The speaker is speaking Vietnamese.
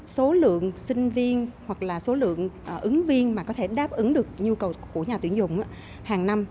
số lượng sinh viên hoặc là số lượng ứng viên mà có thể đáp ứng được nhu cầu của nhà tuyển dụng hàng năm